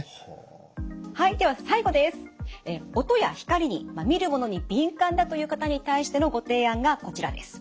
音や光に見るものに敏感だという方に対してのご提案がこちらです。